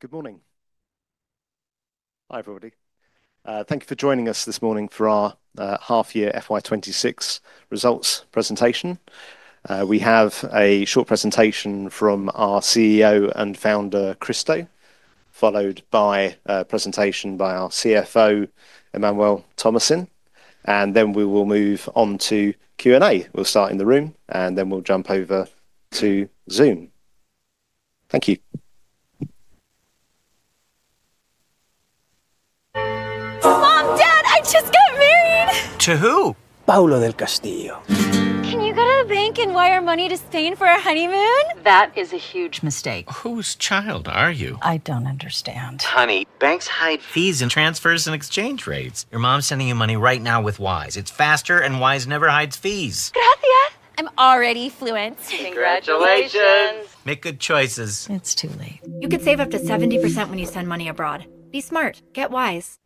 Good morning. Hi, everybody. Thank you for joining us this morning for our half-year FY 2026 results presentation. We have a short presentation from our CEO and founder, Kristo, followed by a presentation by our CFO, Emmanuel Thomassin, and then we will move on to Q&A. We'll start in the room, and then we'll jump over to Zoom. Thank you. Mom, Dad, I just got married! To who? Paulo del Castillo. Can you go to the bank and wire money to Spain for our honeymoon? That is a huge mistake. Whose child are you? I don't understand. Honey, banks hide fees in transfers and exchange rates. Your mom's sending you money right now with Wise. It's faster, and Wise never hides fees. Gracias. I'm already fluent. Congratulations! Make good choices. It's too late. You could save up to 70% when you send money abroad. Be smart. Get Wise.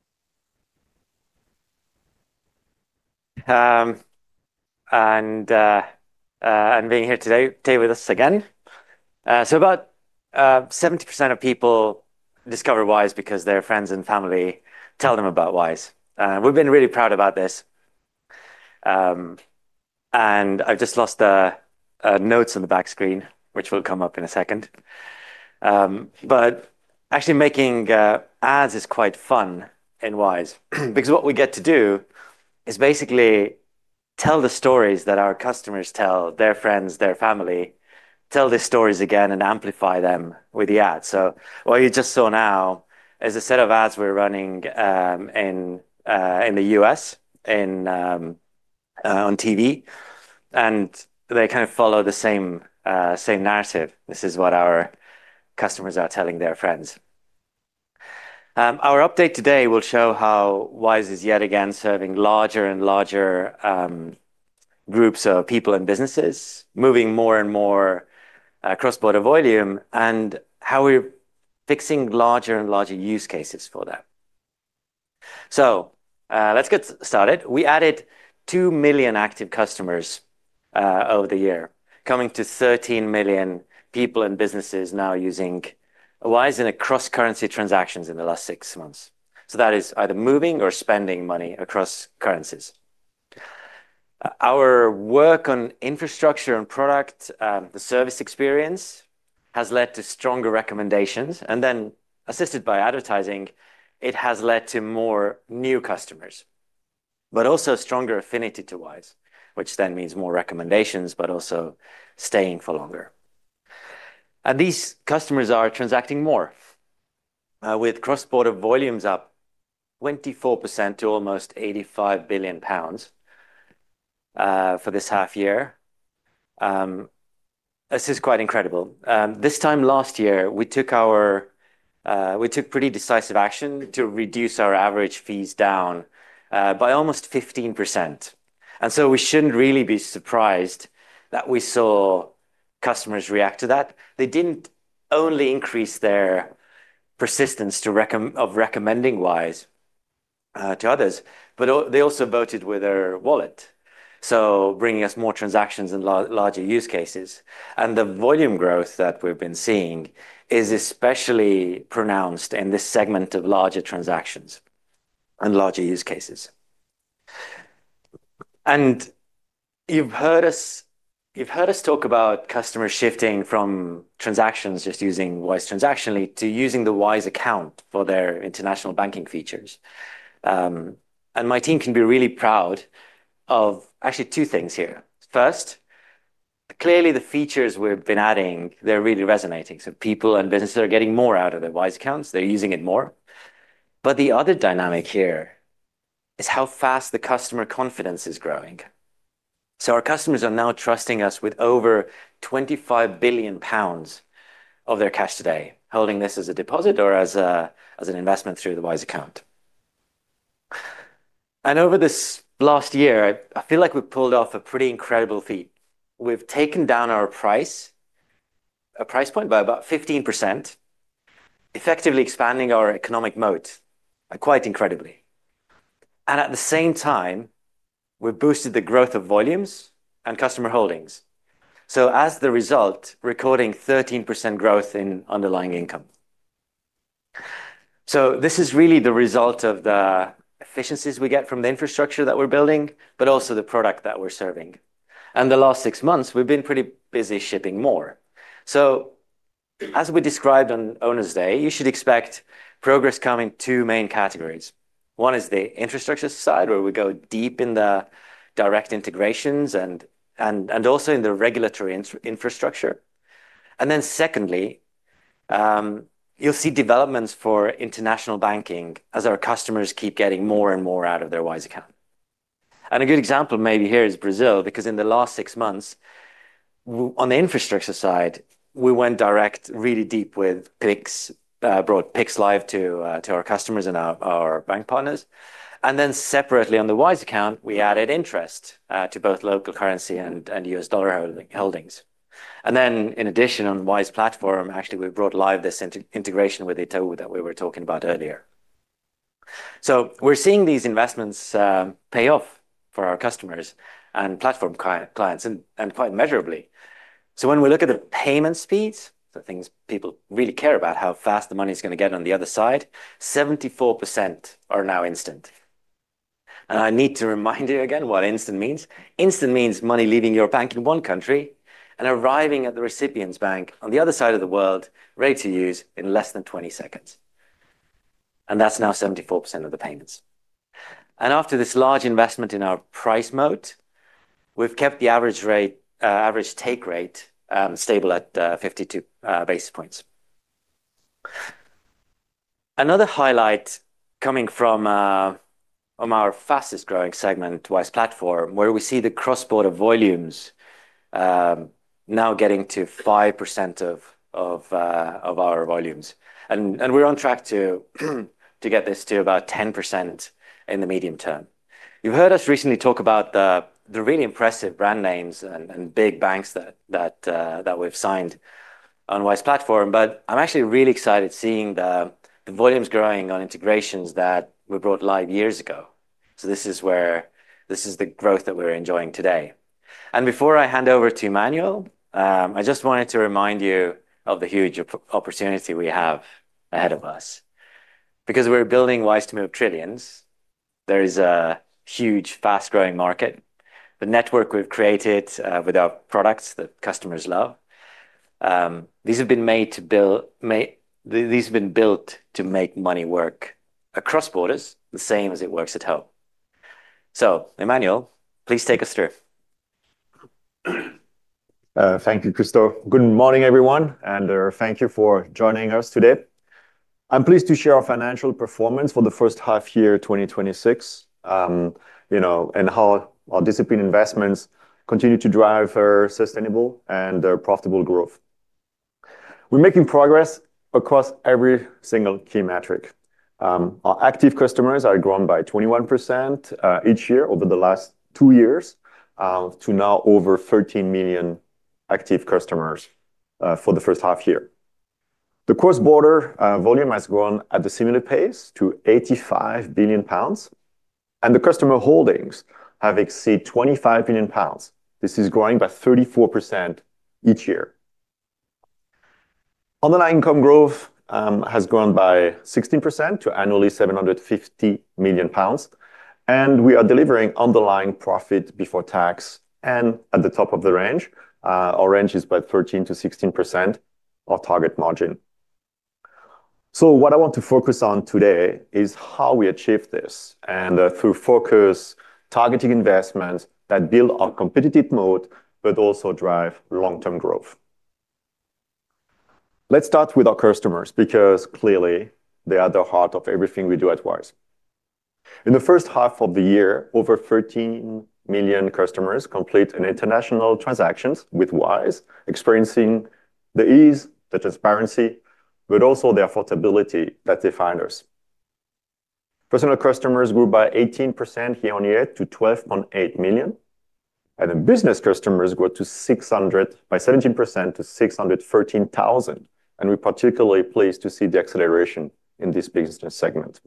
Being here today with us again. About 70% of people discover Wise because their friends and family tell them about Wise. We've been really proud about this. I've just lost the notes on the back screen, which will come up in a second. Actually, making ads is quite fun in Wise because what we get to do is basically tell the stories that our customers tell their friends, their family, tell these stories again and amplify them with the ads. What you just saw now is a set of ads we're running in the U.S. on TV. They kind of follow the same narrative. This is what our customers are telling their friends. Our update today will show how Wise is yet again serving larger and larger groups of people and businesses, moving more and more. Cross-border volume, and how we're fixing larger and larger use cases for that. Let's get started. We added 2 million active customers over the year, coming to 13 million people and businesses now using Wise in cross-currency transactions in the last six months. That is either moving or spending money across currencies. Our work on infrastructure and product, the service experience, has led to stronger recommendations. Assisted by advertising, it has led to more new customers, but also stronger affinity to Wise, which means more recommendations, but also staying for longer. These customers are transacting more, with cross-border volumes up 24% to almost 85 billion pounds for this half year. This is quite incredible. This time last year, we took pretty decisive action to reduce our average fees down by almost 15%. We should not really be surprised that we saw customers react to that. They did not only increase their persistence to recommending Wise to others, but they also voted with their wallet, bringing us more transactions and larger use cases. The volume growth that we have been seeing is especially pronounced in this segment of larger transactions and larger use cases. You have heard us talk about customers shifting from transactions just using Wise transactionally to using the Wise Account for their international banking features. My team can be really proud of actually two things here. First, clearly, the features we have been adding are really resonating, so people and businesses are getting more out of their Wise Accounts. They are using it more. The other dynamic here is how fast the customer confidence is growing. Our customers are now trusting us with over 25 billion pounds of their cash today, holding this as a deposit or as an investment through the Wise Account. Over this last year, I feel like we have pulled off a pretty incredible feat. We have taken down our price, a price point by about 15%, effectively expanding our economic moat quite incredibly. At the same time, we have boosted the growth of volumes and customer holdings. As a result, recording 13% growth in underlying income. This is really the result of the efficiencies we get from the infrastructure that we are building, but also the product that we are serving. In the last six months, we have been pretty busy shipping more. As we described on Owners' Day, you should expect progress coming to two main categories. One is the infrastructure side, where we go deep in the direct integrations and also in the regulatory infrastructure. Then secondly, you'll see developments for international banking as our customers keep getting more and more out of their Wise Account. A good example maybe here is Brazil, because in the last six months, on the infrastructure side, we went direct really deep with PIX, brought PIX live to our customers and our bank partners. Separately, on the Wise Account, we added interest to both local currency and U.S. dollar holdings. In addition, on the Wise Platform, actually, we brought live this integration with Itaú that we were talking about earlier. We are seeing these investments pay off for our customers and platform clients and quite measurably. When we look at the payment speeds, things people really care about, how fast the money is going to get on the other side, 74% are now instant. I need to remind you again what instant means. Instant means money leaving your bank in one country and arriving at the recipient's bank on the other side of the world, ready to use in less than 20 seconds. That is now 74% of the payments. After this large investment in our price moat, we have kept the average take rate stable at 52 basis points. Another highlight is coming from our fastest growing segment, Wise Platform, where we see the cross-border volumes now getting to 5% of our volumes. We are on track to get this to about 10% in the medium term. You have heard us recently talk about the really impressive brand names and big banks that we have signed on Wise Platform, but I am actually really excited seeing the volumes growing on integrations that we brought live years ago. This is where this is the growth that we're enjoying today. Before I hand over to Emmanuel, I just wanted to remind you of the huge opportunity we have ahead of us. Because we're building Wise to move trillions. There is a huge, fast-growing market. The network we've created with our products that customers love. These have been made to build. These have been built to make money work across borders the same as it works at home. Emmanuel, please take us through. Thank you, Kristo. Good morning, everyone, and thank you for joining us today. I'm pleased to share our financial performance for the first half year 2026. How our disciplined investments continue to drive sustainable and profitable growth. We're making progress across every single key metric. Our active customers are grown by 21% each year over the last two years to now over 13 million active customers for the first half year. The cross-border volume has grown at a similar pace to 85 billion pounds. The customer holdings have exceeded 25 billion pounds. This is growing by 34% each year. Underlying income growth has grown by 16% to annually 750 million pounds. We are delivering underlying profit before tax and at the top of the range. Our range is by 13%-16% of our target margin. What I want to focus on today is how we achieve this through focus targeting investments that build our competitive moat, but also drive long-term growth. Let's start with our customers because clearly they are the heart of everything we do at Wise. In the first half of the year, over 13 million customers complete international transactions with Wise, experiencing the ease, the transparency, but also the affordability that defines us. Personal customers grew by 18% year-on-year to 12.8 million. Business customers grew by 17% to 613,000. We are particularly pleased to see the acceleration in this business segment.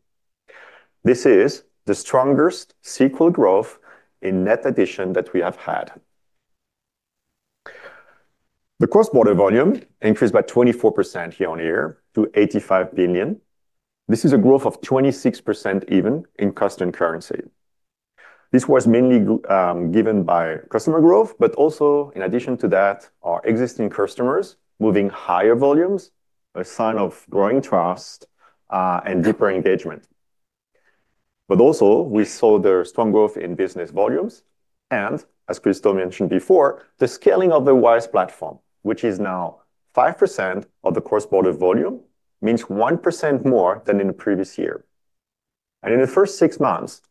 This is the strongest sequel growth in net addition that we have had. The cross-border volume increased by 24% year-on-year to 85 billion. This is a growth of 26% even in custom currency. This was mainly given by customer growth, but also in addition to that, our existing customers moving higher volumes, a sign of growing trust and deeper engagement. We saw the strong growth in business volumes. As Kristo mentioned before, the scaling of the Wise Platform, which is now 5% of the cross-border volume, means 1% more than in the previous year. In the first six months,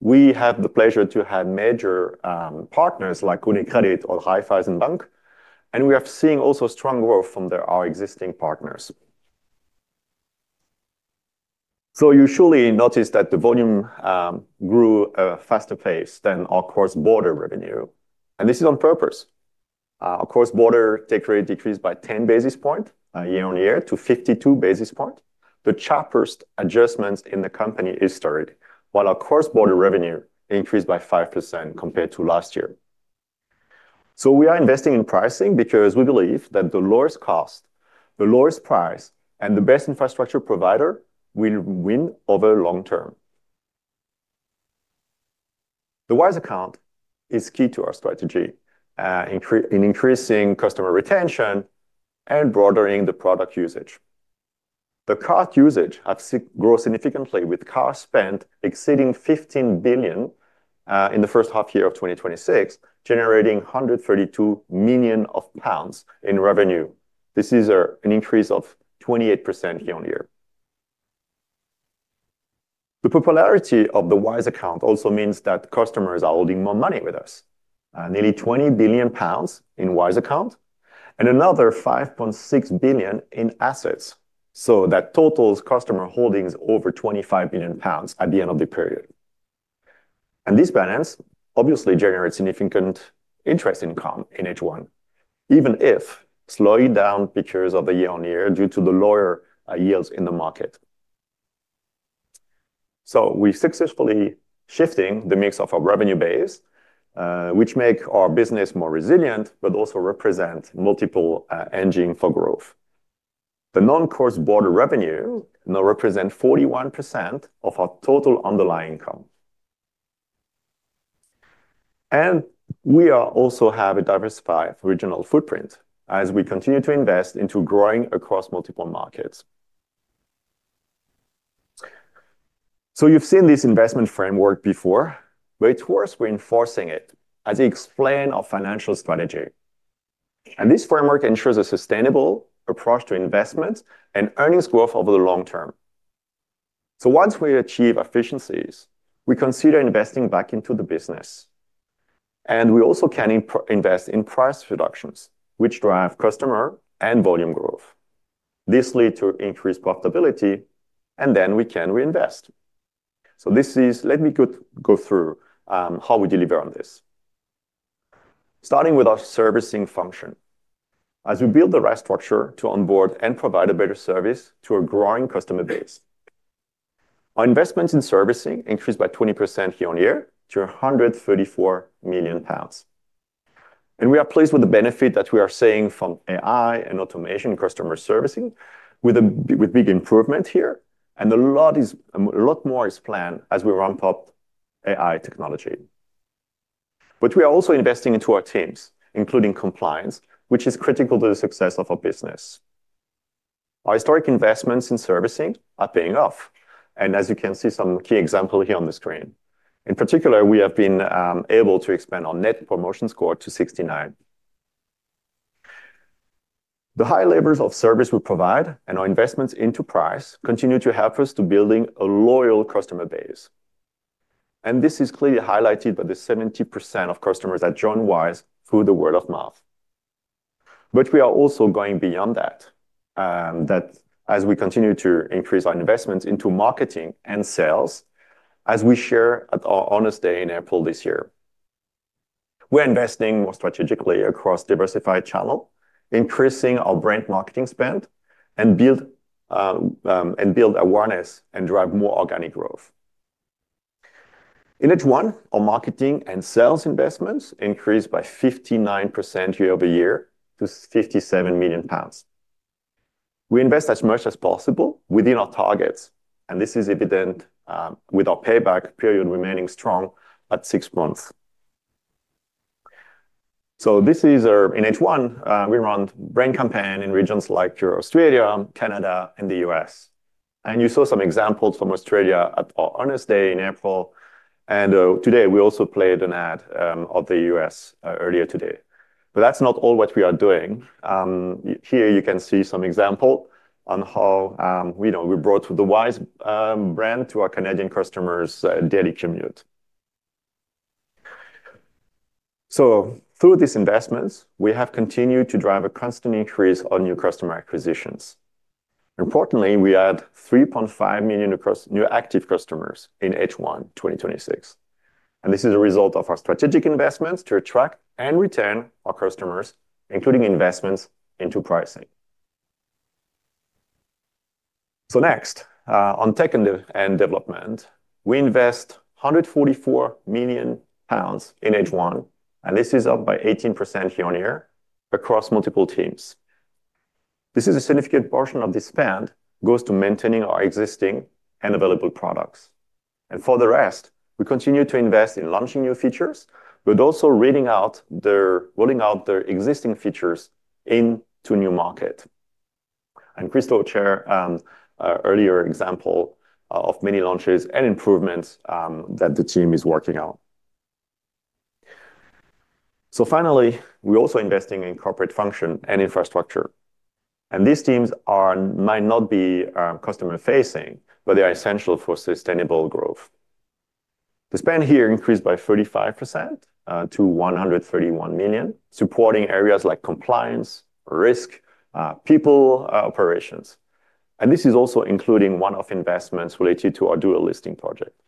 we had the pleasure to have major partners like UniCredit or Raiffeisen Bank. We are seeing also strong growth from our existing partners. You surely noticed that the volume grew at a faster pace than our cross-border revenue. This is on purpose. Our cross-border take rate decreased by 10 basis points year on year to 52 basis points, the sharpest adjustments in the company historic, while our cross-border revenue increased by 5% compared to last year. We are investing in pricing because we believe that the lowest cost, the lowest price, and the best infrastructure provider will win over the long term. The Wise Account is key to our strategy in increasing customer retention and broadening the product usage. The card usage has grown significantly, with card spend exceeding 15 billion in the first half year of 2026, generating 132 million pounds in revenue. This is an increase of 28% year-on-year. The popularity of the Wise Account also means that customers are holding more money with us, nearly 20 billion pounds in Wise Account and another 5.6 billion in assets. That totals customer holdings over 25 billion pounds at the end of the period. This balance obviously generates significant interest income in H1, even if slowing down year on year due to the lower yields in the market. We have successfully shifted the mix of our revenue base, which makes our business more resilient, but also represents multiple engines for growth. The non-cross-border revenue now represents 41% of our total underlying income. We also have a diversified regional footprint as we continue to invest into growing across multiple markets. You have seen this investment framework before, but it is worth reinforcing it as we explain our financial strategy. This framework ensures a sustainable approach to investment and earnings growth over the long term. Once we achieve efficiencies, we consider investing back into the business. We also can invest in price reductions, which drive customer and volume growth. This leads to increased profitability, and then we can reinvest. Let me go through how we deliver on this. Starting with our servicing function, as we build the right structure to onboard and provide a better service to a growing customer base. Our investments in servicing increased by 20% year-on-year to 134 million pounds. We are pleased with the benefit that we are seeing from AI and automation customer servicing, with big improvements here. A lot more is planned as we ramp up AI technology. We are also investing into our teams, including compliance, which is critical to the success of our business. Our historic investments in servicing are paying off. As you can see, some key examples here on the screen. In particular, we have been able to expand our Net Promoter Score to 69. The high levels of service we provide and our investments into price continue to help us to build a loyal customer base. This is clearly highlighted by the 70% of customers that join Wise through word of mouth. We are also going beyond that. As we continue to increase our investments into marketing and sales, as we shared at our Owners Day in April this year, we are investing more strategically across diversified channels, increasing our brand marketing spend, and building awareness and driving more organic growth. In H1, our marketing and sales investments increased by 59% year over year to 57 million pounds. We invest as much as possible within our targets, and this is evident with our payback period remaining strong at six months. In H1, we run brand campaigns in regions like Australia, Canada, and the U.S. You saw some examples from Australia at our Owners Day in April. Today, we also played an ad of the U.S. earlier today. That is not all what we are doing. Here you can see some examples on how we brought the Wise brand to our Canadian customers' daily commute. Through these investments, we have continued to drive a constant increase in new customer acquisitions. Importantly, we add 3.5 million new active customers in H1 2026. This is a result of our strategic investments to attract and retain our customers, including investments into pricing. Next, on tech and development, we invest 144 million pounds in H1, and this is up by 18% year-on-year across multiple teams. A significant portion of this spend goes to maintaining our existing and available products. For the rest, we continue to invest in launching new features, but also rolling out the existing features into a new market. Kristo shared an earlier example of many launches and improvements that the team is working on. Finally, we're also investing in corporate function and infrastructure. These teams might not be customer-facing, but they are essential for sustainable growth. The spend here increased by 35% to 131 million, supporting areas like compliance, risk, people operations. This is also including one-off investments related to our dual listing project.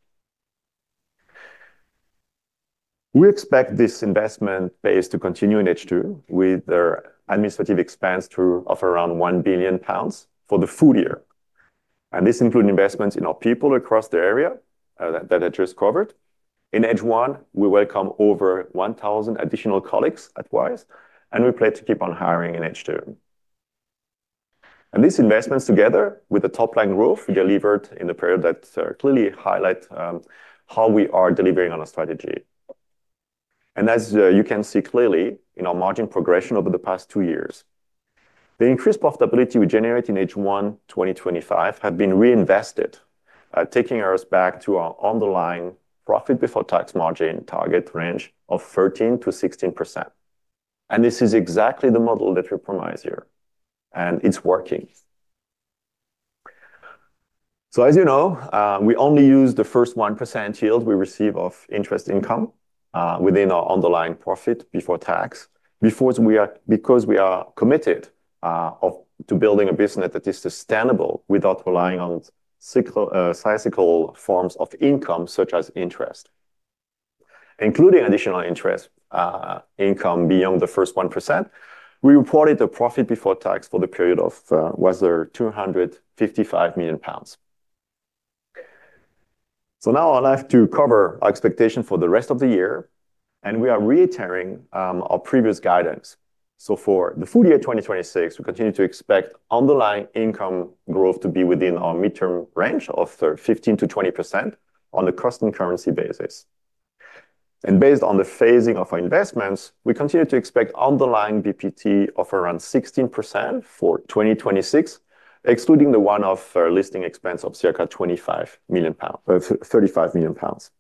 We expect this investment base to continue in H2 with administrative expense to offer around 1 billion pounds for the full year. This includes investments in our people across the area that I just covered. In H1, we welcome over 1,000 additional colleagues at Wise, and we plan to keep on hiring in H2. These investments, together with the top-line growth we delivered in the period, clearly highlight how we are delivering on our strategy. As you can see clearly in our margin progression over the past two years, the increased profitability we generate in H1 2025 has been reinvested, taking us back to our underlying profit before tax margin target range of 13%-16%. This is exactly the model that we promise here, and it is working. As you know, we only use the first 1% yield we receive of interest income within our underlying profit before tax, because we are committed to building a business that is sustainable without relying on cyclical forms of income such as interest. Including additional interest income beyond the first 1%, we reported a profit before tax for the period of 255 million pounds. Now I would like to cover our expectations for the rest of the year, and we are reiterating our previous guidance. For the full year 2026, we continue to expect underlying income growth to be within our midterm range of 15%-20% on the custom currency basis. Based on the phasing of our investments, we continue to expect underlying VPT of around 16% for 2026, excluding the one-off listing expense of circa 35 million pounds.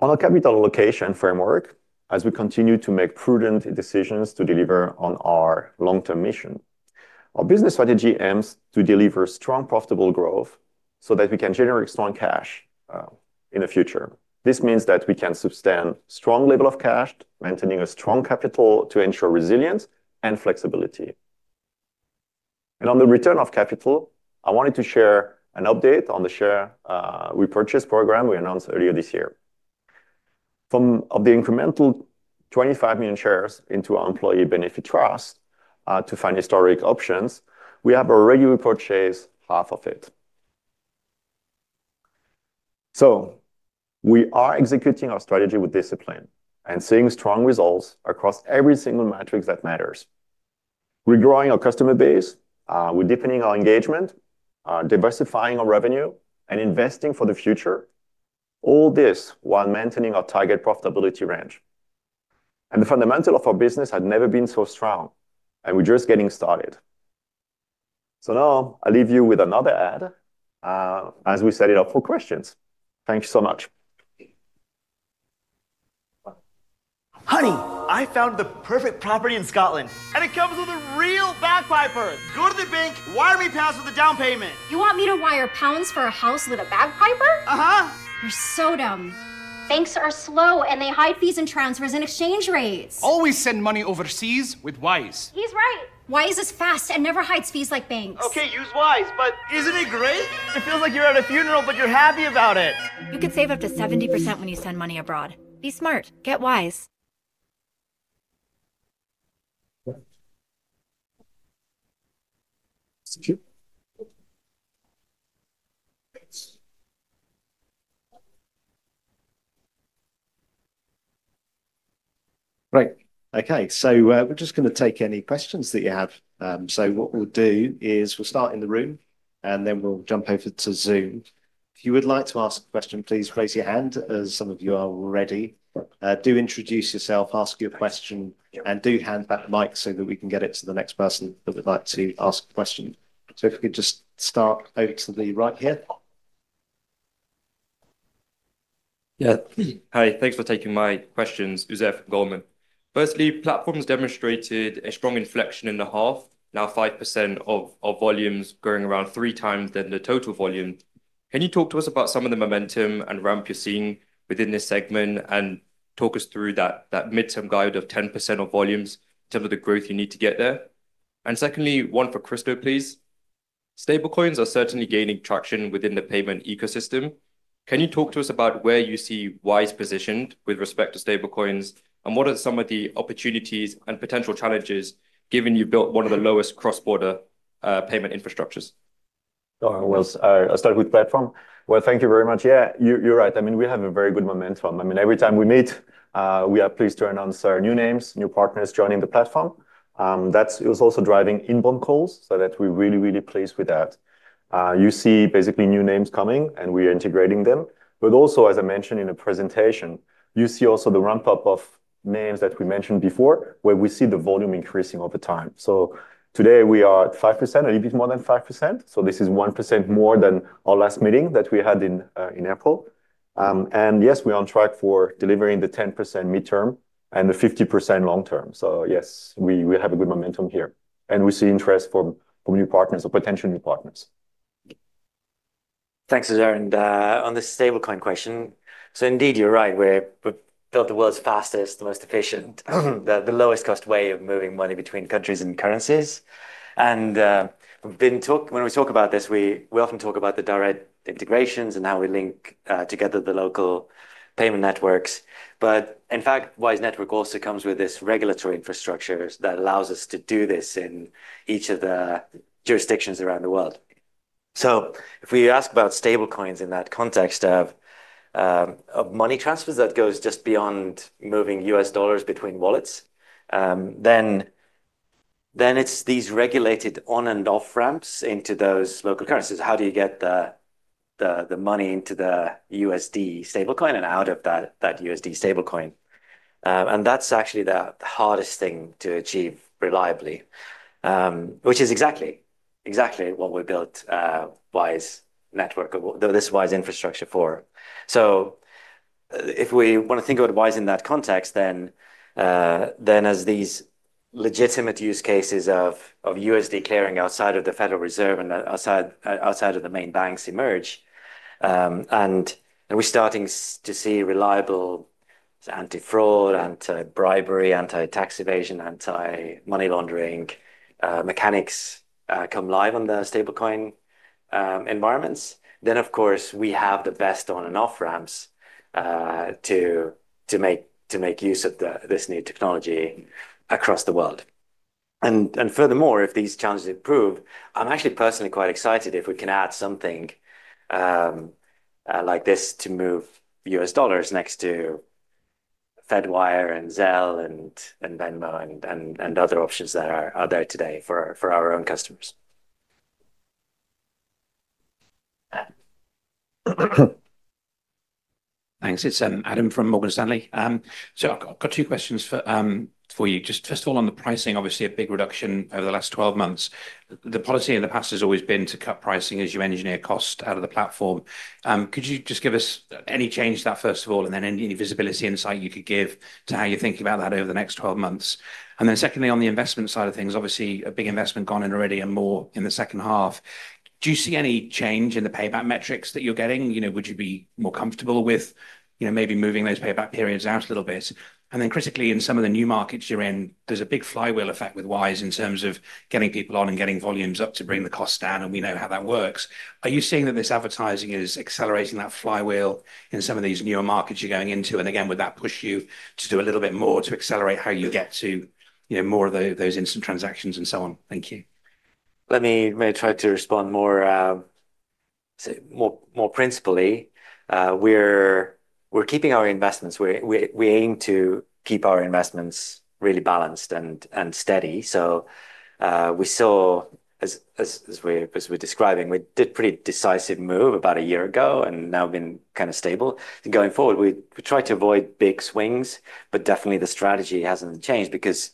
On our capital allocation framework, as we continue to make prudent decisions to deliver on our long-term mission, our business strategy aims to deliver strong profitable growth so that we can generate strong cash in the future. This means that we can sustain a strong level of cash, maintaining a strong capital to ensure resilience and flexibility. On the return of capital, I wanted to share an update on the share repurchase program we announced earlier this year. From the incremental 25 million shares into our employee benefit trust to fund historic options, we have already repurchased half of it. We are executing our strategy with discipline and seeing strong results across every single metric that matters. We are growing our customer base, we are deepening our engagement, diversifying our revenue, and investing for the future. All this while maintaining our target profitability range. The fundamentals of our business have never been so strong, and we are just getting started. I will leave you with another ad as we set it up for questions. Thank you so much. Honey, I found the perfect property in Scotland, and it comes with a real bag piper. Go to the bank, wire me pounds for the down payment. You want me to wire pounds for a house with a bag piper? You are so dumb. Banks are slow, and they hide fees and transfers and exchange rates. Always send money overseas with Wise. He's right. Wise is fast and never hides fees like banks. Okay, use Wise, but isn't it great? It feels like you're at a funeral, but you're happy about it. You could save up to 70% when you send money abroad. Be smart. Get Wise. Right. Okay, we're just going to take any questions that you have. What we'll do is we'll start in the room, and then we'll jump over to Zoom. If you would like to ask a question, please raise your hand as some of you are ready. Do introduce yourself, ask your question, and do hand back the mic so that we can get it to the next person that would like to ask a question. If you could just start over to the right here. Yeah. Hi, thanks for taking my questions, Josef Goleman. Firstly, platforms demonstrated a strong inflection in the half, now 5% of volumes going around three times than the total volume. Can you talk to us about some of the momentum and ramp you're seeing within this segment and talk us through that midterm guide of 10% of volumes in terms of the growth you need to get there? Secondly, one for Kristo, please. Stablecoins are certainly gaining traction within the payment ecosystem. Can you talk to us about where you see Wise positioned with respect to stablecoins and what are some of the opportunities and potential challenges given you built one of the lowest cross-border payment infrastructures? I'll start with the platform. Thank you very much. Yeah, you're right. I mean, we have a very good momentum. I mean, every time we meet, we are pleased to announce new names, new partners joining the platform. That is also driving inbound calls, so we are really, really pleased with that. You see basically new names coming, and we are integrating them. Also, as I mentioned in the presentation, you see the ramp-up of names that we mentioned before, where we see the volume increasing over time. Today, we are at 5%, a little bit more than 5%. This is 1% more than our last meeting that we had in April. Yes, we are on track for delivering the 10% midterm and the 50% long-term. Yes, we have good momentum here. We see interest from new partners or potential new partners. Thanks, Josef. On the stablecoin question, indeed, you are right. We've built the world's fastest, most efficient, lowest-cost way of moving money between countries and currencies. When we talk about this, we often talk about the direct integrations and how we link together the local payment networks. In fact, WiseNetwork also comes with this regulatory infrastructure that allows us to do this in each of the jurisdictions around the world. If we ask about stablecoins in that context of money transfers that go just beyond moving U.S,. dollars between wallets, it's these regulated on-and-off ramps into those local currencies. How do you get the money into the USD stablecoin and out of that USD stablecoin? That's actually the hardest thing to achieve reliably, which is exactly what we built Wise Network, this Wise infrastructure for. If we want to think about Wise in that context, then. As these legitimate use cases of USD clearing outside of the Federal Reserve and outside of the main banks emerge, we're starting to see reliable anti-fraud, anti-bribery, anti-tax evasion, anti-money laundering mechanics come live on the stablecoin environments. Of course, we have the best on-and-off ramps to make use of this new technology across the world. Furthermore, if these challenges improve, I'm actually personally quite excited if we can add something like this to move U.S. dollars next to Fedwire and Zelle and Venmo and other options that are there today for our own customers. Thanks. It's Adam from Morgan Stanley. I've got two questions for you. First of all, on the pricing, obviously a big reduction over the last 12 months. The policy in the past has always been to cut pricing as you engineer cost out of the platform. Could you just give us any change to that, first of all, and then any visibility insight you could give to how you're thinking about that over the next 12 months? Secondly, on the investment side of things, obviously a big investment gone in already and more in the second half. Do you see any change in the payback metrics that you're getting? Would you be more comfortable with maybe moving those payback periods out a little bit? Critically, in some of the new markets you're in, there's a big flywheel effect with Wise in terms of getting people on and getting volumes up to bring the cost down. We know how that works. Are you seeing that this advertising is accelerating that flywheel in some of these newer markets you're going into? Would that push you to do a little bit more to accelerate how you get to more of those instant transactions and so on? Thank you. Let me try to respond more principally. We are keeping our investments. We aim to keep our investments really balanced and steady. We saw, as we are describing, we did a pretty decisive move about a year ago and now have been kind of stable. Going forward, we try to avoid big swings, but definitely the strategy has not changed because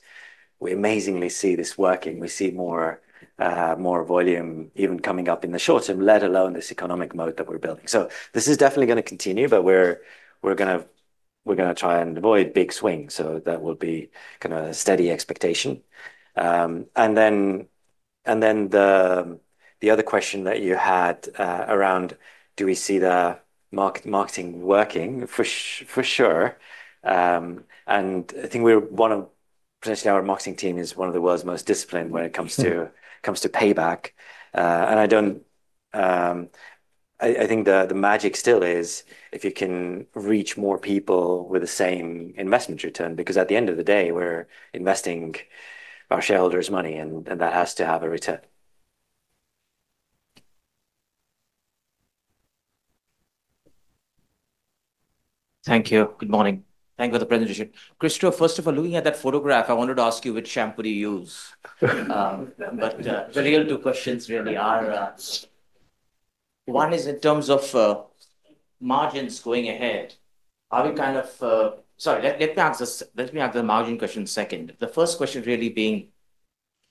we amazingly see this working. We see more volume even coming up in the short term, let alone this economic mode that we are building. This is definitely going to continue, but we are going to try and avoid big swings. That will be kind of a steady expectation. The other question that you had around, do we see the market marketing working? For sure. I think we're one of, potentially our marketing team is one of the world's most disciplined when it comes to payback. I don't. I think the magic still is if you can reach more people with the same investment return, because at the end of the day, we're investing our shareholders' money, and that has to have a return. Thank you. Good morning. Thank you for the presentation. Kristo, first of all, looking at that photograph, I wanted to ask you which shampoo do you use? The real two questions really are, one is in terms of margins going ahead. Are we kind of, sorry, let me answer the margin question second. The first question really being,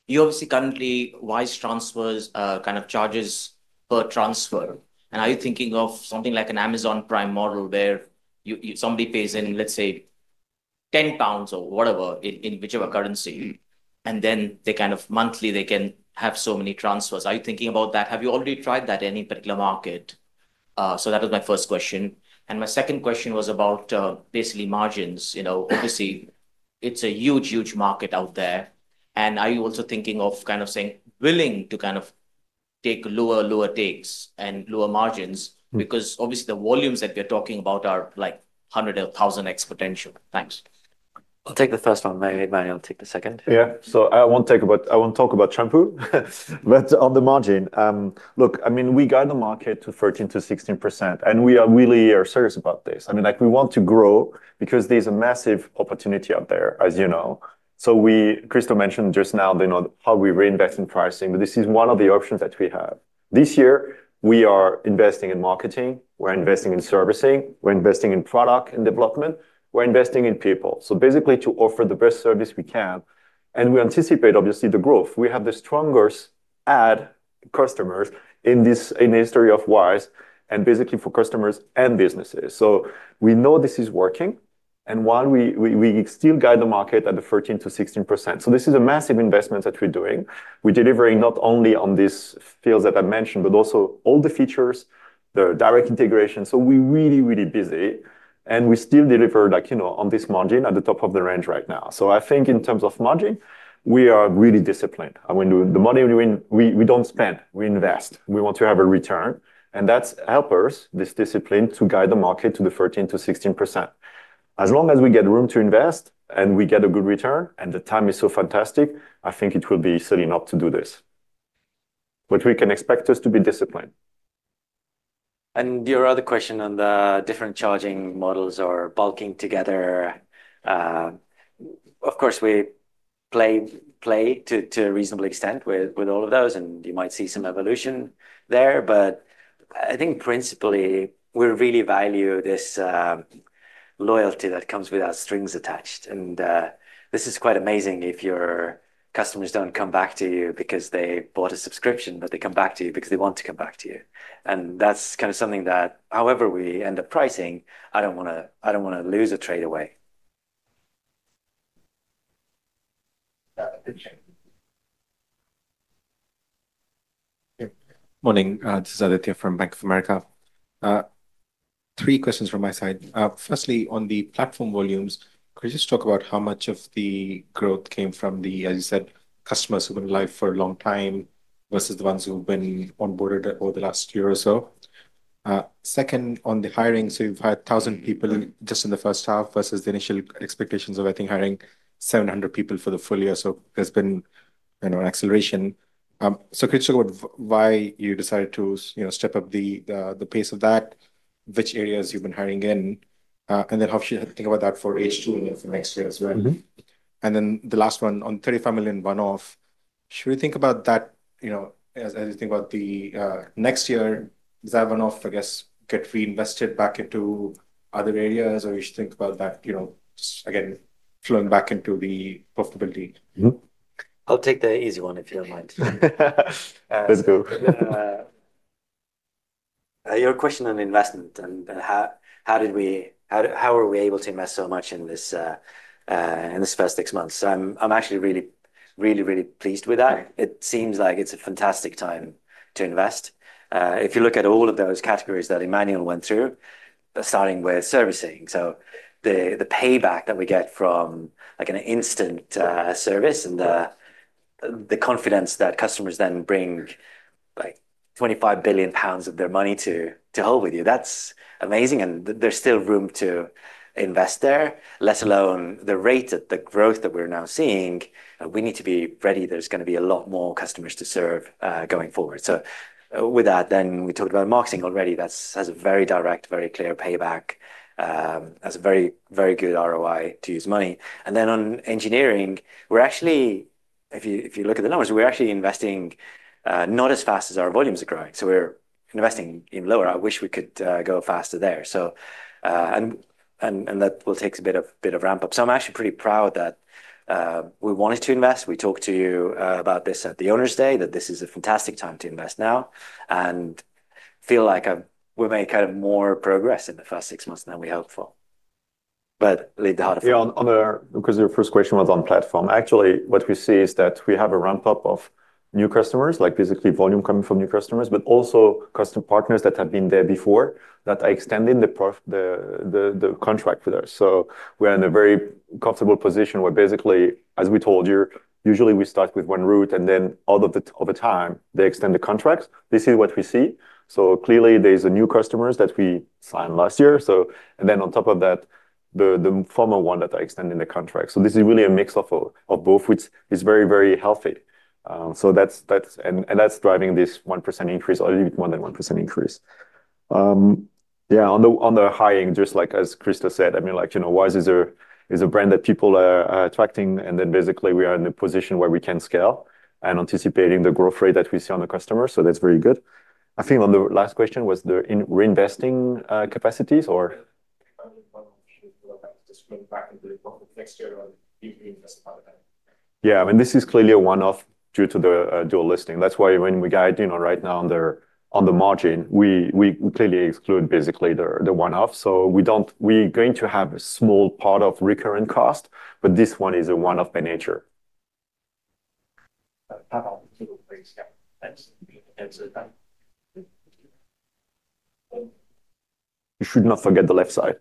you obviously currently Wise transfers kind of charges per transfer. Are you thinking of something like an Amazon Prime model where somebody pays in, let's say, 10 pounds or whatever in whichever currency, and then they kind of monthly, they can have so many transfers? Are you thinking about that? Have you already tried that in any particular market? That was my first question. My second question was about basically margins. Obviously, it's a huge, huge market out there. Are you also thinking of kind of saying willing to kind of take lower, lower digs and lower margins? Because obviously the volumes that we're talking about are like 100,000x potential. Thanks. I'll take the first one. Maybe Emmanuel will take the second. Yeah. I won't talk about shampoo, but on the margin, look, I mean, we guide the market to 13%-16%, and we are really serious about this.I mean, we want to grow because there's a massive opportunity out there, as you know. Kristo mentioned just now how we reinvest in pricing, but this is one of the options that we have. This year, we are investing in marketing, we're investing in servicing, we're investing in product and development, we're investing in people. Basically, to offer the best service we can. We anticipate, obviously, the growth. We have the strongest ad customers in the history of Wise and basically for customers and businesses. We know this is working. While we still guide the market at the 13%-16%. This is a massive investment that we're doing. We're delivering not only on these fields that I mentioned, but also all the features, the direct integration. We're really, really busy. We still deliver on this margin at the top of the range right now. I think in terms of margin, we are really disciplined. I mean, the money we win, we do not spend, we invest. We want to have a return. That helps us, this discipline, to guide the market to the 13%-16%. As long as we get room to invest and we get a good return and the time is so fantastic, I think it would be silly not to do this. We can expect us to be disciplined. Your other question on the different charging models or bulking together, of course, we play to a reasonable extent with all of those, and you might see some evolution there. I think principally, we really value this loyalty that comes with our strings attached. This is quite amazing if your customers do not come back to you because they bought a subscription, but they come back to you because they want to come back to you. That is kind of something that, however we end up pricing, I do not want to lose or trade away. Good morning. This is Aditya from Bank of America. Three questions from my side. Firstly, on the platform volumes, could you just talk about how much of the growth came from the, as you said, customers who have been live for a long time versus the ones who have been onboarded over the last year or so? Second, on the hiring, you have hired 1,000 people just in the first half versus the initial expectations of, I think, hiring 700 people for the full year. There has been an acceleration. Could you talk about why you decided to step up the pace of that, which areas you've been hiring in, and then how should you think about that for H2 and then for next year as well? The last one, on $35 million one-off, should we think about that? As you think about the next year, does that one-off, I guess, get reinvested back into other areas, or should you think about that just again, flowing back into the profitability? I'll take the easy one if you don't mind. Let's go. Your question on investment and how were we able to invest so much in this first six months. I'm actually really, really, really pleased with that. It seems like it's a fantastic time to invest. If you look at all of those categories that Emmanuel went through. Starting with servicing, the payback that we get from an instant service and the confidence that customers then bring. 25 billion pounds of their money to hold with you, that's amazing. There's still room to invest there, let alone the rate of the growth that we're now seeing. We need to be ready. There's going to be a lot more customers to serve going forward. We talked about marketing already. That has a very direct, very clear payback. Has a very, very good ROI to use money. On engineering, if you look at the numbers, we're actually investing not as fast as our volumes are growing. We're investing in lower. I wish we could go faster there. That will take a bit of ramp-up. I'm actually pretty proud that we wanted to invest. We talked to you about this at the Owners' Day, that this is a fantastic time to invest now. Feel like we made kind of more progress in the first six months than we hoped for. Leave the heart of it. Because your first question was on platform. Actually, what we see is that we have a ramp-up of new customers, like basically volume coming from new customers, but also customer partners that have been there before that are extending the contract with us. We are in a very comfortable position where basically, as we told you, usually we start with one route, and then all of the time they extend the contracts. This is what we see. Clearly, there are new customers that we signed last year. On top of that, the former ones are extending the contracts. This is really a mix of both, which is very, very healthy. That is driving this 1% increase, or a little bit more than 1% increase. Yeah, on the hiring, just like as Kristo said, I mean, Wise is a brand that people are attracting, and then basically we are in a position where we can scale and anticipate the growth rate that we see on the customers. That is very good. I think on the last question was the reinvesting capacities, or? I think one of the issues that I am going to screen back into the next year is reinvesting by the day. Yeah, I mean, this is clearly a one-off due to the dual listing. That is why when we guide right now on the margin, we clearly exclude basically the one-off. We're going to have a small part of recurrent cost, but this one is a one-off by nature. You should not forget the left side.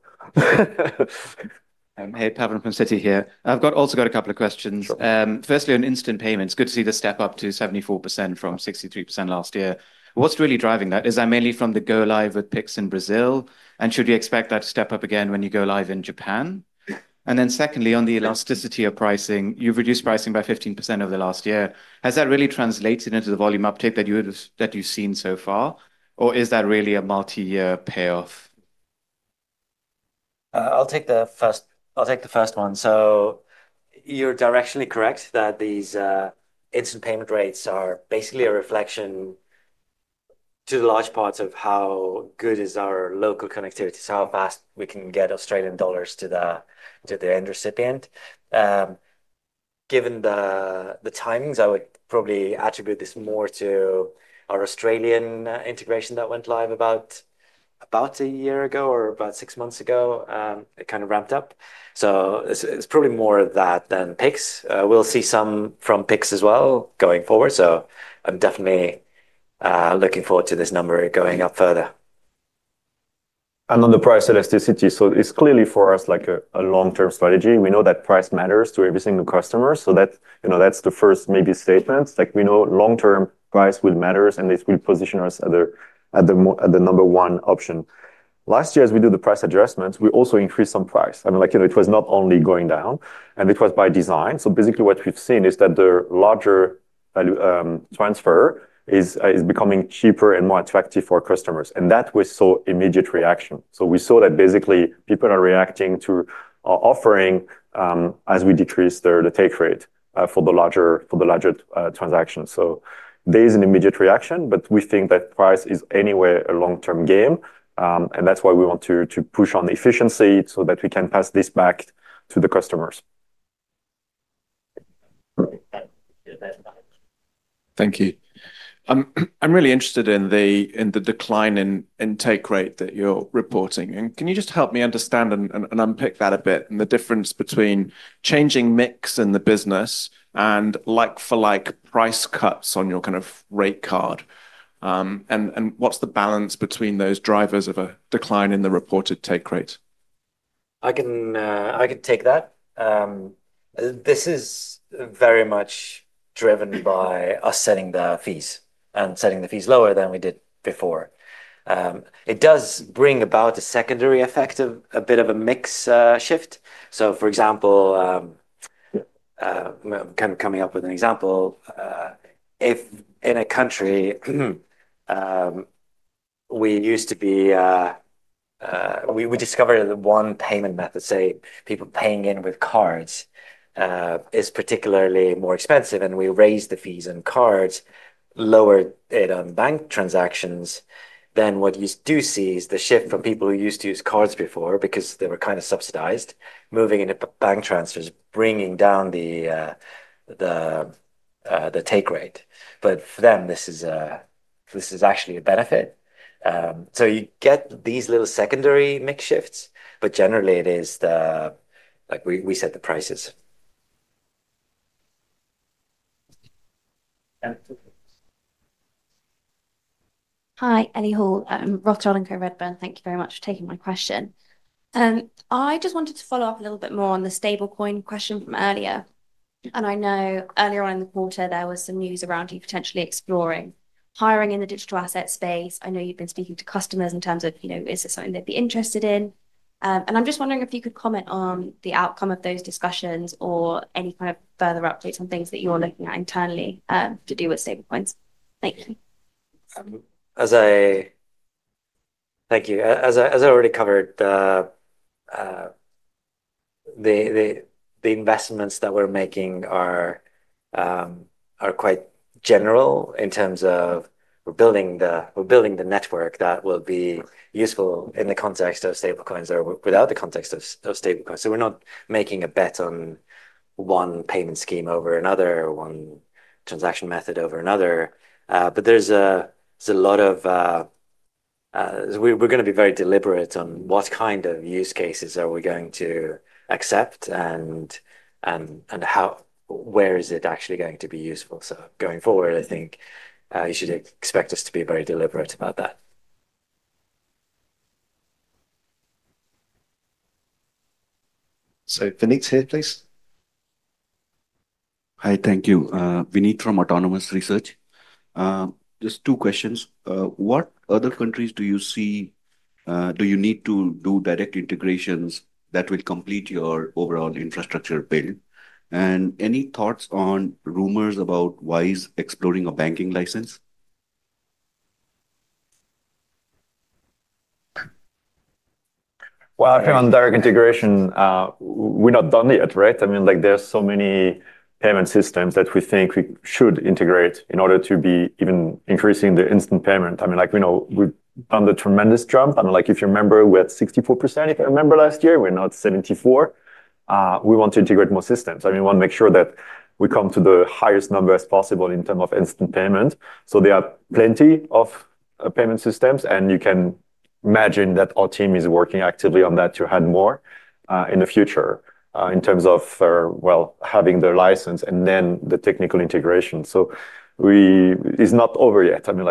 Hey, Pavan from Citi here. I've also got a couple of questions. Firstly, on instant payments, good to see the step up to 74% from 63% last year. What's really driving that? Is that mainly from the go-live with PIX in Brazil? Should we expect that to step up again when you go live in Japan? Secondly, on the elasticity of pricing, you've reduced pricing by 15% over the last year. Has that really translated into the volume uptake that you've seen so far, or is that really a multi-year payoff? I'll take the first one. You're directionally correct that these instant payment rates are basically a reflection to large parts of how good our local connectivity is, how fast we can get Australian dollars to the end recipient. Given the timings, I would probably attribute this more to our Australian integration that went live about a year ago or about six months ago. It kind of ramped up. It's probably more of that than PIX. We'll see some from PIX as well going forward. I'm definitely looking forward to this number going up further. On the price elasticity, it's clearly for us like a long-term strategy. We know that price matters to every single customer. That's the first maybe statement. We know long-term price will matter, and it will position us at the number one option. Last year, as we did the price adjustments, we also increased some price. I mean, it was not only going down, and it was by design. Basically, what we've seen is that the larger transfer is becoming cheaper and more attractive for customers. That was an immediate reaction. We saw that people are reacting to our offering as we decrease the take rate for the larger transaction. There is an immediate reaction, but we think that price is anyway a long-term game. That is why we want to push on the efficiency so that we can pass this back to the customers. Thank you. I'm really interested in the decline in take rate that you're reporting. Can you just help me understand and unpick that a bit and the difference between changing mix in the business and like-for-like price cuts on your kind of rate card? What's the balance between those drivers of a decline in the reported take rate? I can take that. This is very much driven by us setting the fees and setting the fees lower than we did before. It does bring about a secondary effect of a bit of a mix shift. For example, I'm kind of coming up with an example. If in a country we used to be, we discovered that one payment method, say people paying in with cards, is particularly more expensive, and we raised the fees on cards, lowered it on bank transactions, then what you do see is the shift from people who used to use cards before because they were kind of subsidized, moving into bank transfers, bringing down the take rate. For them, this is actually a benefit. You get these little secondary mix shifts, but generally, it is. We set the prices. Hi, Annie Hall. I'm Rothschild & Co Redburn. Thank you very much for taking my question. I just wanted to follow up a little bit more on the stablecoin question from earlier. I know earlier on in the quarter, there was some news around you potentially exploring hiring in the digital asset space. I know you've been speaking to customers in terms of, is it something they'd be interested in? I'm just wondering if you could comment on the outcome of those discussions or any kind of further updates on things that you're looking at internally to do with stablecoins. Thank you. Thank you. As I already covered, the investments that we're making are quite general in terms of we're building the network that will be useful in the context of stablecoins or without the context of stablecoins. We're not making a bet on one payment scheme over another, one transaction method over another. There is a lot of. We are going to be very deliberate on what kind of use cases we are going to accept and where it is actually going to be useful. Going forward, I think you should expect us to be very deliberate about that. Vineet is here, please. Hi, thank you. Vineet from Autonomous Research. Just two questions. What other countries do you see? Do you need to do direct integrations that will complete your overall infrastructure build? Any thoughts on rumors about Wise exploring a banking license? I think on direct integration, we are not done yet, right? I mean, there are so many payment systems that we think we should integrate in order to be even increasing the instant payment. I mean, we have done the tremendous jump. If you remember, we had 64% last year. We are now 74%. We want to integrate more systems. I mean, we want to make sure that we come to the highest number as possible in terms of instant payment. There are plenty of payment systems, and you can imagine that our team is working actively on that to add more in the future in terms of having the license and then the technical integration. It's not over yet. I mean,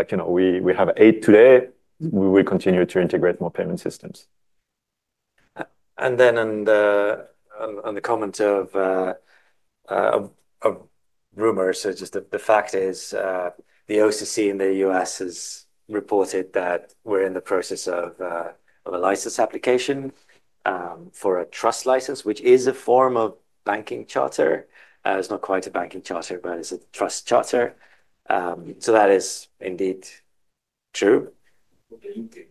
we have eight today. We will continue to integrate more payment systems. On the comment of rumors, just the fact is the OCC in the U.S. has reported that we're in the process of a license application for a trust license, which is a form of banking charter. It's not quite a banking charter, but it's a trust charter. That is indeed true. In the U.K.?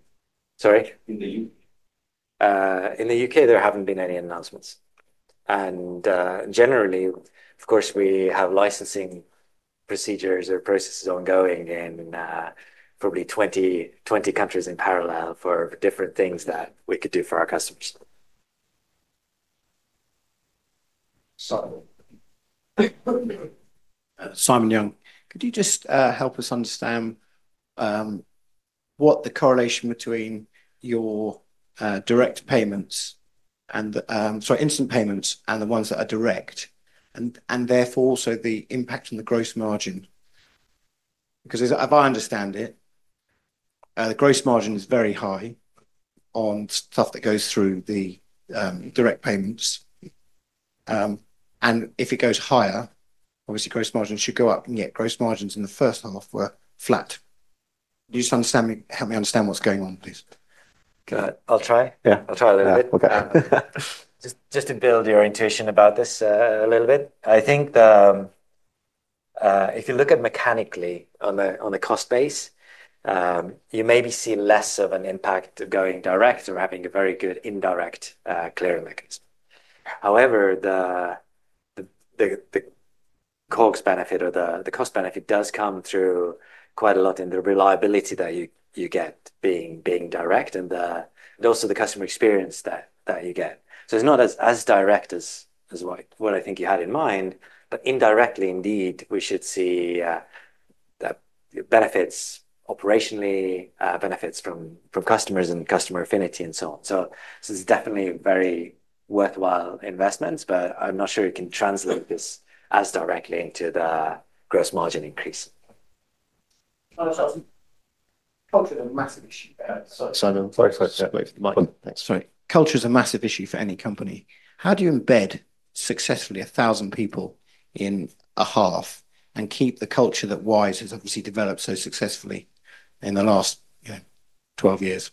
Sorry? In the U.K.? In the U.K., there have not been any announcements. Of course, we have licensing procedures or processes ongoing in probably 20 countries in parallel for different things that we could do for our customers. Simon Young, could you just help us understand what the correlation between your direct payments and, sorry, instant payments and the ones that are direct, and therefore also the impact on the gross margin? As I understand it, the gross margin is very high on stuff that goes through the direct payments. If it goes higher, obviously gross margin should go up. Yet gross margins in the first half were flat. Can you just help me understand what is going on, please? I will try. Yeah, I will try a little bit. Just to build your intuition about this a little bit, I think if you look at mechanically on the cost base. You maybe see less of an impact going direct or having a very good indirect clearing mechanism. However, the cost benefit does come through quite a lot in the reliability that you get being direct and also the customer experience that you get. It's not as direct as what I think you had in mind, but indirectly, indeed, we should see benefits operationally, benefits from customers and customer affinity and so on. It's definitely very worthwhile investments, but I'm not sure you can translate this as directly into the gross margin increase. Culture is a massive issue. Simon, sorry. Culture is a massive issue for any company. How do you embed successfully 1,000 people in a half and keep the culture that Wise has obviously developed so successfully in the last 12 years?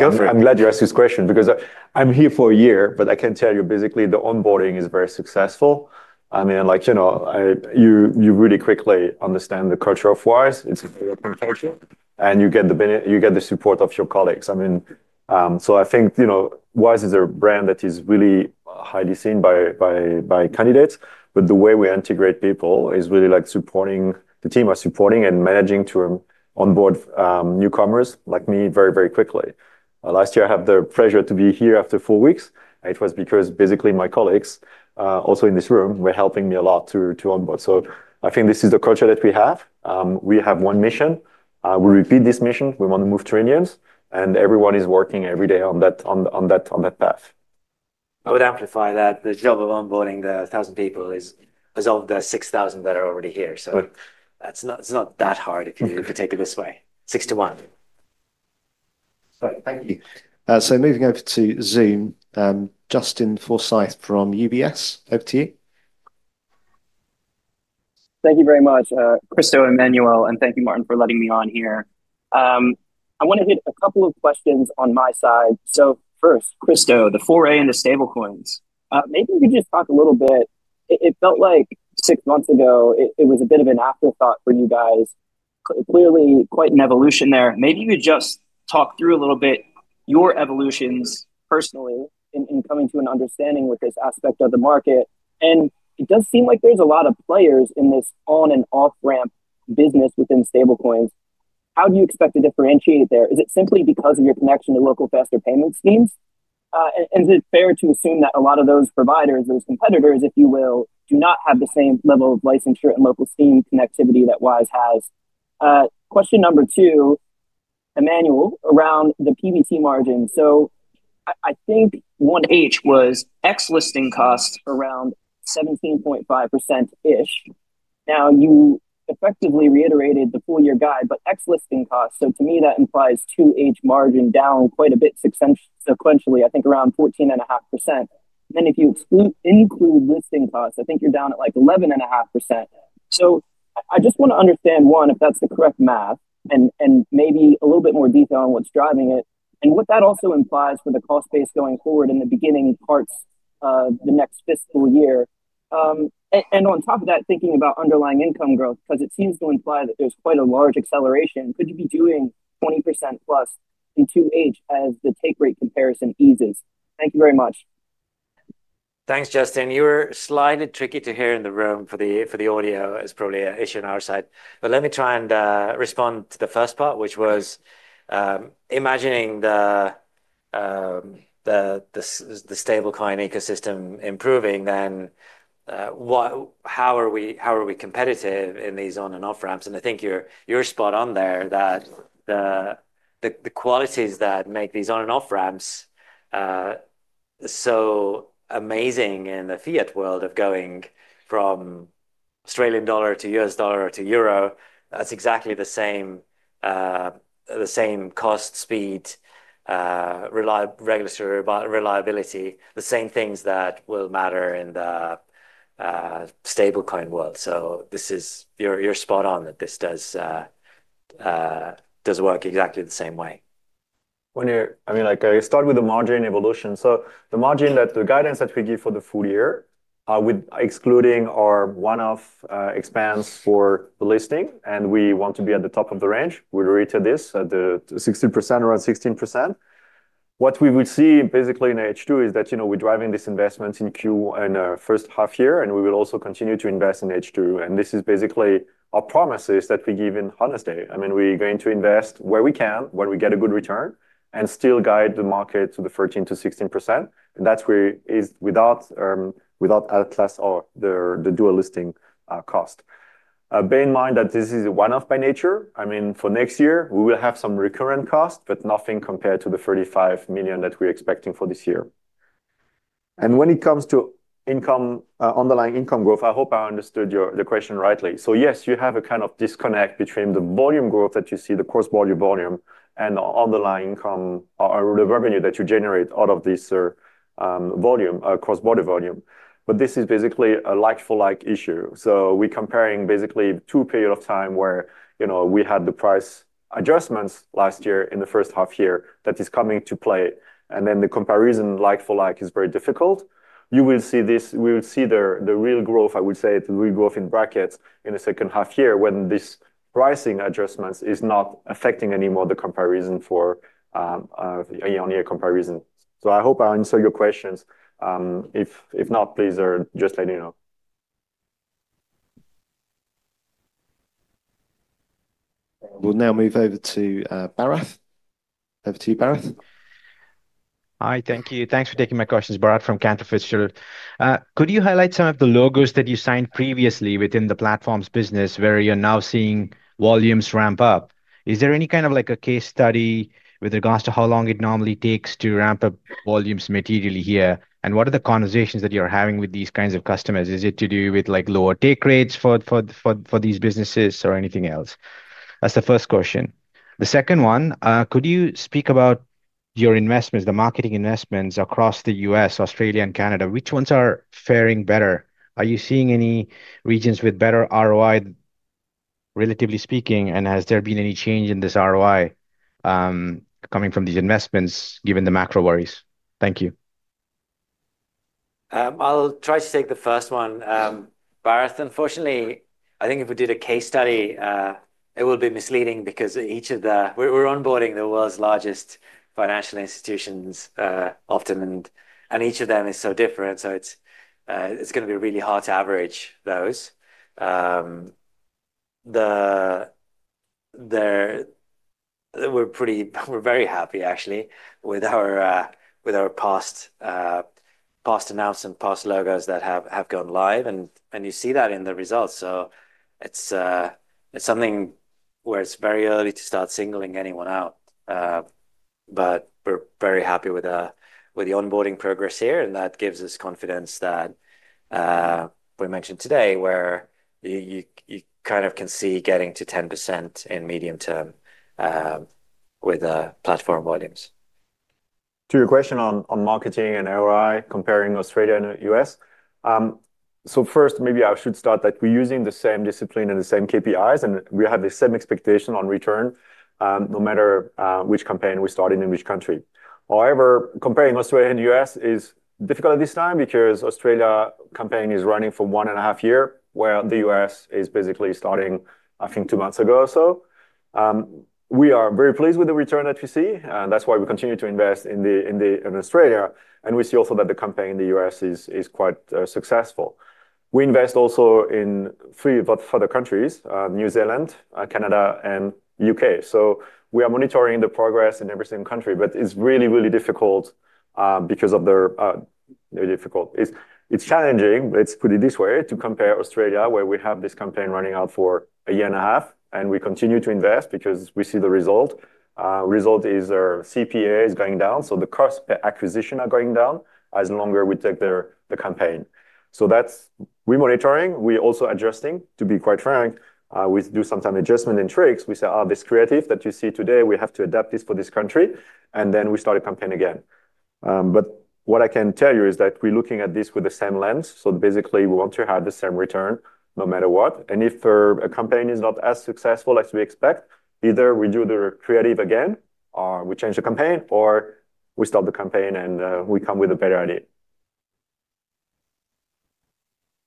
I'm glad you asked this question because I'm here for a year, but I can tell you basically the onboarding is very successful. I mean, you really quickly understand the culture of Wise. It's a developing culture, and you get the support of your colleagues. I mean, so I think Wise is a brand that is really highly seen by candidates, but the way we integrate people is really like supporting the team are supporting and managing to onboard newcomers like me very, very quickly. Last year, I had the pleasure to be here after four weeks. It was because basically my colleagues also in this room were helping me a lot to onboard. I think this is the culture that we have. We have one mission. We repeat this mission. We want to move to Indians, and everyone is working every day on that path. I would amplify that the job of onboarding the 1,000 people has solved the 6,000 that are already here. It is not that hard if you take it this way. Six to one. Thank you. Moving over to Zoom, Justin Forsythe from UBS,, over to you. Thank you very much, Kristo, Emmanuel, and thank you, Martin, for letting me on here. I want to hit a couple of questions on my side. First, Kristo, the 4A and the stablecoins, maybe you could just talk a little bit. It felt like six months ago, it was a bit of an afterthought for you guys. Clearly, quite an evolution there. Maybe you could just talk through a little bit your evolutions personally in coming to an understanding with this aspect of the market. It does seem like there is a lot of players in this on-and-off ramp business within stablecoins. How do you expect to differentiate there? Is it simply because of your connection to local faster payment schemes? Is it fair to assume that a lot of those providers, those competitors, if you will, do not have the same level of licensure and local scheme connectivity that Wise has? Question number two. Emmanuel, around the PBT margin. I think first half was excluding listing costs around 17.5%-ish. You effectively reiterated the full-year guide, but excluding listing costs. To me, that implies second half margin down quite a bit sequentially, I think around 14.5%. If you include listing costs, I think you are down at like 11.5%. I just want to understand, one, if that's the correct math and maybe a little bit more detail on what's driving it and what that also implies for the cost base going forward in the beginning parts of the next fiscal year. On top of that, thinking about underlying income growth, because it seems to imply that there's quite a large acceleration, could you be doing 20% plus in 2H as the take rate comparison eases? Thank you very much. Thanks, Justin. You were slightly tricky to hear in the room for the audio. It's probably an issue on our side. Let me try and respond to the first part, which was imagining the Stablecoin ecosystem improving, then how are we competitive in these on-and-off ramps? I think you're spot on there that the qualities that make these on-and-off ramps. Amazing in the fiat world of going from Australian dollar to U.S. dollar or to euro, that's exactly the same. Cost, speed, regulatory reliability, the same things that will matter in the Stablecoin world. You're spot on that this does work exactly the same way. I mean, I start with the margin evolution. The guidance that we give for the full year, excluding our one-off expense for the listing, and we want to be at the top of the range, we rated this at 16%, around 16%. What we would see basically in H2 is that we're driving this investment in Q in the first half year, and we will also continue to invest in H2. This is basically our promises that we give in honesty. I mean, we're going to invest where we can, where we get a good return, and still guide the market to the 13%-16%. That is without at-class or the dual listing cost. Bear in mind that this is one-off by nature. I mean, for next year, we will have some recurrent cost, but nothing compared to the $35 million that we're expecting for this year. When it comes to underlying income growth, I hope I understood the question rightly. Yes, you have a kind of disconnect between the volume growth that you see, the cross-border volume, and the underlying income or the revenue that you generate out of this volume, cross-border volume. This is basically a like-for-like issue. We're comparing basically two periods of time where we had the price adjustments last year in the first half year that is coming to play. The comparison like-for-like is very difficult. You will see this. We will see the real growth, I would say the real growth in brackets in the second half year when this pricing adjustment is not affecting anymore the comparison for a year-on-year comparison. I hope I answered your questions. If not, please just let me know. We'll now move over to Bharath. Over to you, Bharath. Hi, thank you. Thanks for taking my questions, Bharath from Cantor Fitzgerald. Could you highlight some of the logos that you signed previously within the platform's business where you're now seeing volumes ramp up? Is there any kind of a case study with regards to how long it normally takes to ramp up volumes materially here? What are the conversations that you're having with these kinds of customers? Is it to do with lower take rates for these businesses or anything else? That's the first question. The second one, could you speak about your investments, the marketing investments across the U.S., Australia, and Canada? Which ones are faring better? Are you seeing any regions with better ROI, relatively speaking, and has there been any change in this ROI coming from these investments given the macro worries? Thank you. I'll try to take the first one. Bharath, unfortunately, I think if we did a case study, it would be misleading because each of the, we're onboarding the world's largest financial institutions often, and each of them is so different. It's going to be really hard to average those. We're very happy, actually, with our past announcement, past logos that have gone live, and you see that in the results. It's something where it's very early to start singling anyone out. We're very happy with the onboarding progress here, and that gives us confidence. We mentioned today where you kind of can see getting to 10% in the medium term with platform volumes. To your question on marketing and ROI, comparing Australia and the U.S., maybe I should start that we're using the same discipline and the same KPIs, and we have the same expectation on return no matter which campaign we started in which country. However, comparing Australia and the U.S. is difficult at this time because Australia's campaign is running for one and a half years, where the U.S. is basically starting, I think, two months ago or so. We are very pleased with the return that we see, and that's why we continue to invest in Australia. We see also that the campaign in the U.S. is quite successful. We invest also in three further countries, New Zealand, Canada, and the U.K. We are monitoring the progress in every single country, but it's really, really difficult. It's challenging, but let's put it this way—to compare Australia, where we have this campaign running out for a year and a half, and we continue to invest because we see the result. The result is our CPA is going down, so the cost per acquisition is going down as longer we take the campaign. We're monitoring. We're also adjusting. To be quite frank, we do sometimes adjustment and tricks. We say, "Oh, this creative that you see today, we have to adapt this for this country." We start a campaign again. What I can tell you is that we're looking at this with the same lens. Basically, we want to have the same return no matter what. If a campaign is not as successful as we expect, either we do the creative again, we change the campaign, or we stop the campaign and come with a better idea.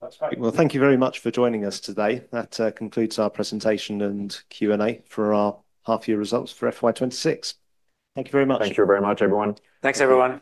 That's right. Thank you very much for joining us today. That concludes our presentation and Q&A for our half-year results for FY2026. Thank you very much. Thank you very much, everyone. Thanks, everyone.